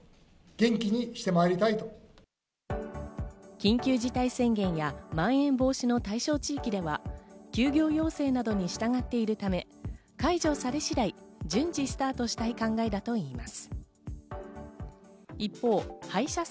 緊急事態宣言やまん延防止の対象地域では、休業要請などに従っているため、解除され次第、順次スタートしたい考えだといいます。